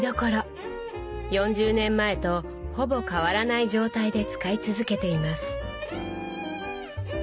４０年前とほぼ変わらない状態で使い続けています。